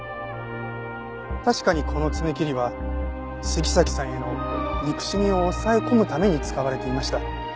確かにこの爪切りは杉崎さんへの憎しみを抑え込むために使われていました。